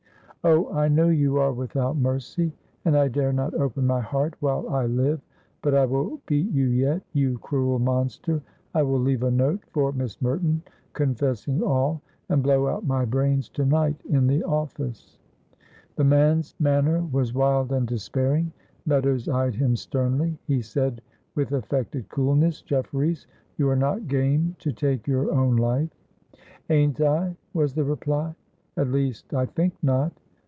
"Oh, I know you are without mercy, and I dare not open my heart while I live; but I will beat you yet, you cruel monster. I will leave a note for Miss Merton, confessing all, and blow out my brains to night in the office." The man's manner was wild and despairing. Meadows eyed him sternly. He said with affected coolness: "Jefferies, you are not game to take your own life." "Ain't I?" was the reply. "At least I think not."